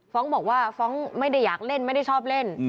ฟ้องบอกว่าฟ้องไม่ได้อยากเล่นไม่ได้ชอบเล่น